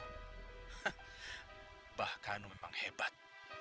hah mbak kanu memang hebat